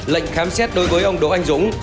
lệnh khám xét đối với ông đỗ anh dũng